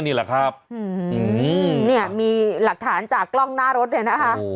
มีหลักฐานจากกล้องหน้ารถเลยนะคะ